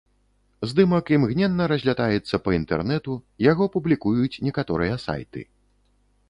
Здымак імгненна разлятаецца па інтэрнэту, яго публікуюць некаторыя сайты.